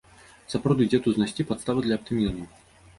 Сапраўды, дзе тут знайсці падставы для аптымізму?